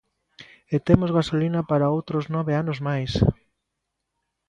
E temos gasolina para outros nove anos máis.